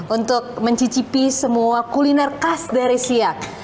untuk mencicipi semua kuliner khas dari siak